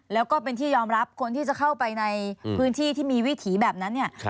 แล้วก็เป็นที่ยอมรับคนที่จะเข้าไปในพื้นที่ที่มีวิถีแบบนั้นเนี่ย